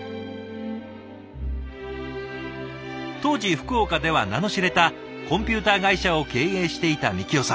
当時福岡では名の知れたコンピューター会社を経営していた樹生さん。